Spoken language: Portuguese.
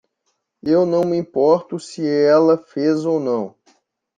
Eu não me importo se ela fez ou não.